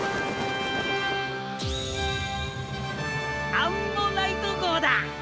アンモナイト号だ！